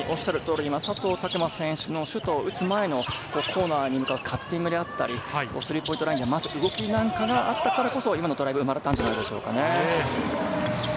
佐藤卓磨選手のシュートを打つ前の、コーナーに向かうカッティングであったり、スリーポイントラインで待つ動きがあったからこそ、今のドライブ生まれたんじゃないでしょうかね。